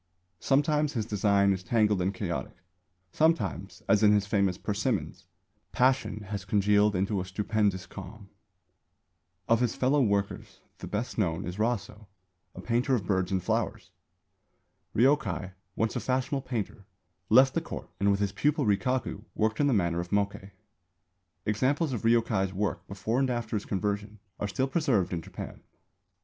Sometimes his design is tangled and chaotic; sometimes as in his famous "Persimmons," passion has congealed into a stupendous calm. See Kümmel, Die Kunst Ostasiens Pl. 118. Of his fellow workers the best known is Rasō, a painter of birds and flowers. Ryōkai, once a fashionable painter, left the Court and with his pupil Rikaku worked in the manner of Mokkei. Examples of Ryōkai's work before and after his conversion are still preserved in Japan.